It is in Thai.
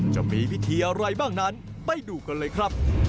จะมีพิธีอะไรบ้างนั้นไปดูกันเลยครับ